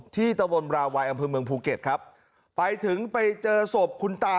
ตะบนราวัยอำเภอเมืองภูเก็ตครับไปถึงไปเจอศพคุณตา